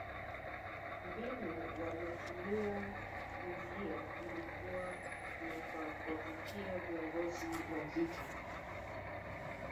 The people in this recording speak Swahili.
Mbinu waliyoitumia kuingia ilikuwa ni kwa kuwavutia viongozi wa vita